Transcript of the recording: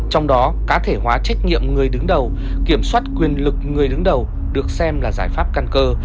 trong đó cá thể hóa trách nhiệm người đứng đầu kiểm soát quyền lực người đứng đầu được xem là giải pháp căn cơ